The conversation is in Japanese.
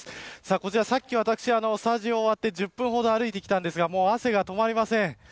こちら、さっき私はスタジオ終わって１０分ほど歩いてきたんですがもう汗が止まりません。